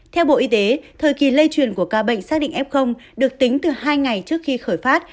theo bộ y tế thời kỳ lây truyền của ca bệnh xác định f được tính từ hai ngày trước khi khởi phát